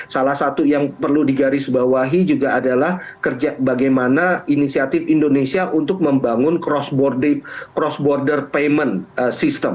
salah satu yang perlu digarisbawahi juga adalah kerja bagaimana inisiatif indonesia untuk membangun cross border payment system